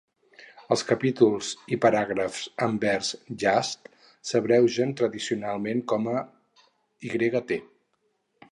Els capítols i paràgrafs en vers "Yasht" s'abreugen tradicionalment com "Yt".